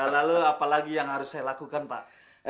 lalu apa lagi yang harus saya lakukan pak